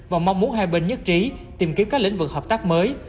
và mong muốn hai bên nhất trí tìm kiếm các lĩnh vực hợp tác mới